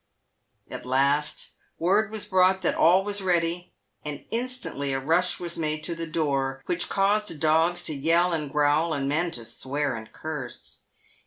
At last word was brought that all was ready, and instantly a rush was made to the door, which caused dogs to yell and growl, and men to swear and curse.